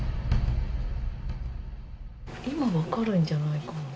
今分かるんじゃないかな？